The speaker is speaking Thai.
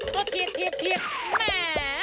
ก็ทีบแม่